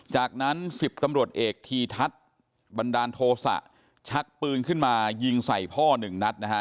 จากนั้น๑๐ตำรวจเอกทีทัศน์บันดาลโทษะชักปืนขึ้นมายิงใส่พ่อหนึ่งนัดนะฮะ